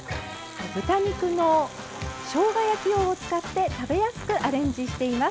豚肉のしょうが焼き用を使って食べやすくアレンジしてます。